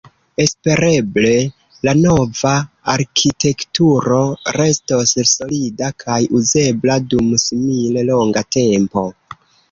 Espereble la nova arkitekturo restos solida kaj uzebla dum simile longa tempo.